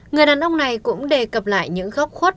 người đàn ông này cũng đề cập lại những góc khuất